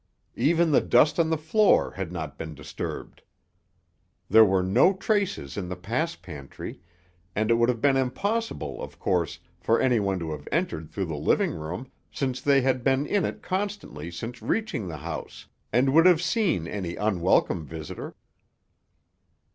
Even the dust on the floor had not been disturbed. There were no traces in the pass pantry, and it would have been impossible, of course, for any one to have entered through the living room, since they had been in it constantly since reaching the house, and would have seen any unwelcome visitor.